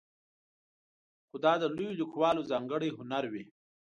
خو دا د لویو لیکوالو ځانګړی هنر وي.